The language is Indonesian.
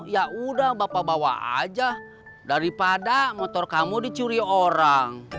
yaudah bapak bawa aja daripada motor kamu dicuri orang